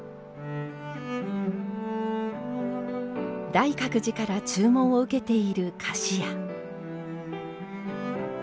大覚寺から注文を受けている菓子屋。